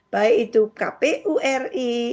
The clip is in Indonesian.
baik itu kpuri